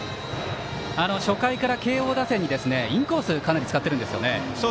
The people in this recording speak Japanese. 初回から慶応打線にインコースかなり使ってるんですよね。